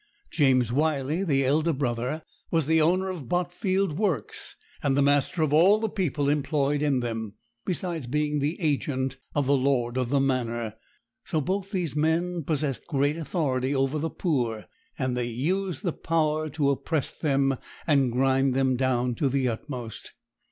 James Wyley, the elder brother, was the owner of Botfield works, and the master of all the people employed in them, besides being the agent of the lord of the manor. So both these men possessed great authority over the poor; and they used the power to oppress them and grind them down to the utmost.